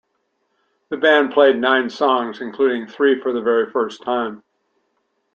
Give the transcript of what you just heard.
The band played nine songs, including three for the very first time.